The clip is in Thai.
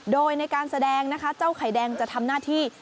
โดยในการแสดงนะคะเจ้าไข่แดงจะทำหน้าที่